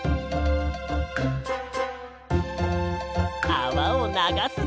あわをながすぞ。